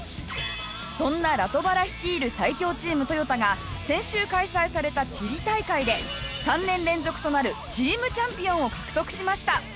そんなラトバラ率いる最強チームトヨタが先週開催されたチリ大会で３年連続となるチームチャンピオンを獲得しました。